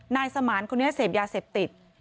นายสมานคนนี้เสพยาเสพติด